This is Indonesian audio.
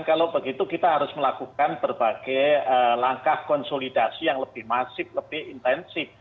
kalau begitu kita harus melakukan berbagai langkah konsolidasi yang lebih masif lebih intensif